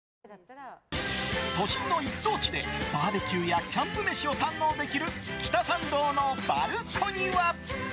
都心の一等地でバーベキューやキャンプ飯を堪能できる北参道のＢＡＬＣＯＮＩＷＡ。